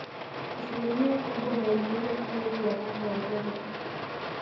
Asilimia kubwa ya ugonjwa huu huwapata watoto